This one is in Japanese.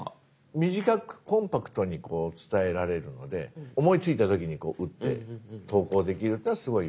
短くコンパクトに伝えられるので思いついた時にこう打って投稿できるっていうのはすごい。